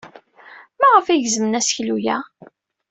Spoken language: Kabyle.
Maɣef ay gezmen aseklu-a?